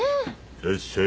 いらっしゃい。